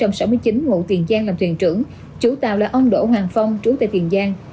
ngụ tiền giang làm thuyền trưởng chủ tàu là ông đỗ hoàng phong trú tại tiền giang